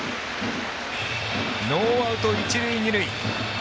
ノーアウト、一塁二塁。